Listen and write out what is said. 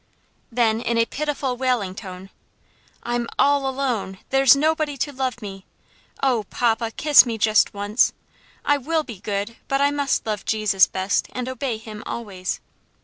Then, in a pitiful, wailing tone, "I'm all alone! There's nobody to love me. Oh, papa, kiss me just once! I will be good; but I must love Jesus best, and obey him always."